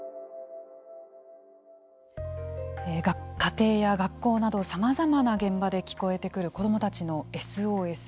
家庭や学校などさまざまな現場で聞こえてくる子どもたちのＳＯＳ。